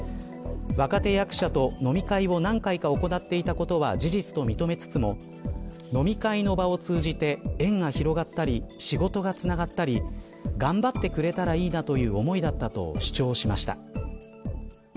若手役者と飲み会を何回か行っていたことは事実と認めつつも飲み会の場を通じて縁が広がったり仕事がつながったり頑張ってくれたらいいなという思いだったと主張しました。